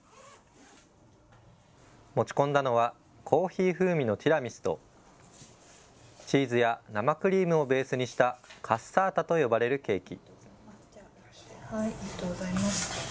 持ち込んだのはコーヒー風味のティラミスとチーズや生クリームをベースにしたカッサータと呼ばれるケーキ。